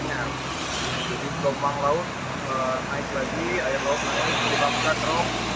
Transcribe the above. jadi gelombang laut naik lagi air laut naik terjebak ke kanan